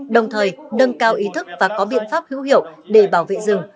đồng thời nâng cao ý thức và có biện pháp hữu hiệu để bảo vệ rừng